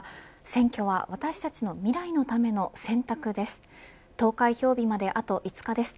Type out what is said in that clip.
選挙は私たちの未来のための選択です。